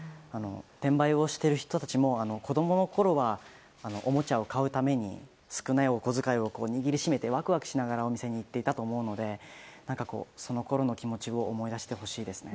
転売をしている人たちも子供のころはおもちゃを買うために少ないお小遣いを握りしめて、ワクワクしながらお店に行っていたと思うのでそのころの気持ちを思い出してほしいですね。